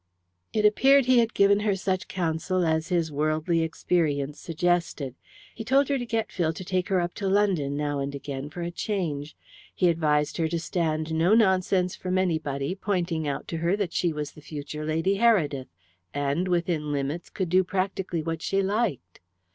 It appeared he had given her such counsel as his worldly experience suggested. He told her to get Phil to take her up to London now and again for a change. He advised her to stand no nonsense from anybody, pointing out to her that she was the future Lady Heredith, and, within limits, could do practically what she liked.